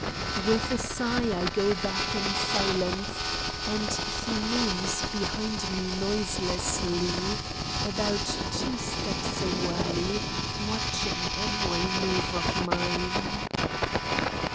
With a sigh I go back in silence, and he moves behind me noiselessly, about two steps away, watching every move of mine.